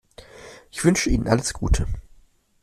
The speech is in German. Ich wünsche Ihnen alles Gute.